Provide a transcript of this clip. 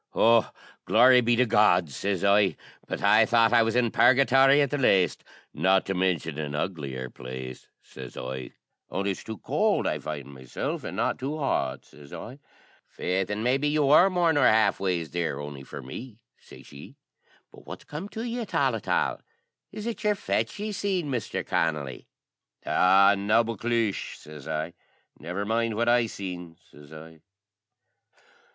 "O, glory be to God!" sez I, "but I thought I was in Purgathory at the laste, not to mintion an uglier place," sez I, "only it's too cowld I find meself, an' not too hot," sez I. "Faix, an' maybe ye wor more nor half ways there, on'y for me," shashee; "but what's come to you at all, at all? Is it your fetch ye seen, Mister Connolly?" "Aw, naboclish!" sez I. "Never mind what I seen," sez I.